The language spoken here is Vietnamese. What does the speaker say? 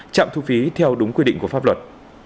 trạm thu phí theo đúng quy định của pháp luật